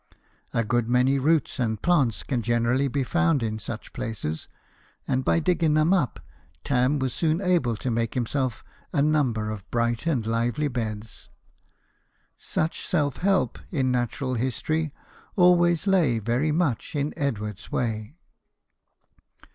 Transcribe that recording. A good many roots and plants can generally be found in such places, and by digging them up, Tarn was soon able to make himself a number of bright and lively beds. Such self help in natural history always lay very much in Edward's way.